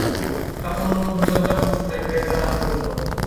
Aku menunggu berjam-jam untuk naik kereta arah Bogor.